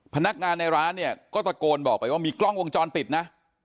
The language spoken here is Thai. พนักงานในร้านเนี่ยก็ตะโกนบอกไปว่ามีกล้องวงจรปิดนะ